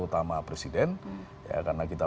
utama presiden ya karena kita